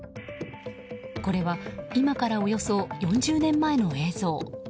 これは、今からおよそ４０年前の映像。